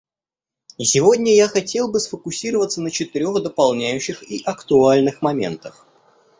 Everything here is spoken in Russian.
И сегодня я хотел бы сфокусироваться на четырех дополняющих и актуальных моментах.